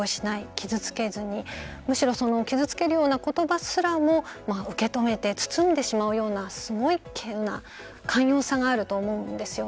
傷付けずにむしろ傷つけるような言葉すらも受け止めて包んでしまうようなすごい稀有な寛容さがあると思うんです。